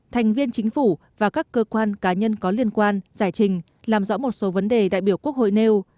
thành viên chính phủ và các cơ quan cá nhân có liên quan giải trình làm rõ một số vấn đề đại biểu quốc hội nêu